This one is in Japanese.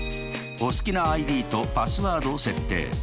お好きなＩＤとパスワードを設定。